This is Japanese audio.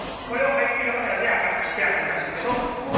これをハイスピードカメラで明らかにしたんですけど。